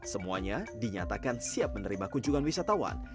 semuanya dinyatakan siap menerima kunjungan wisatawan